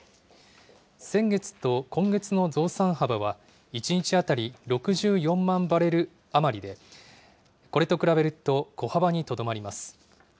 先月と今月の増産幅は、１日当たり６４万バレル余りで、これと比べると小幅にとどまります。